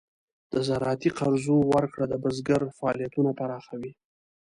د زراعتي قرضو ورکړه د بزګر فعالیتونه پراخوي.